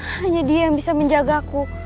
hanya dia yang bisa menjagaku